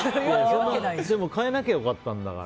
でも変えなきゃ良かったんだから。